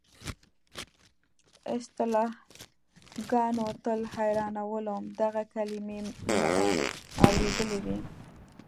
اصطلاحګانو تل حیرانولم، دغه کلیمې مو اورېدلې وې.